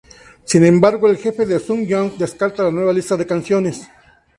Sin embargo el jefe de sun-young descarta la nueva lista de canciones.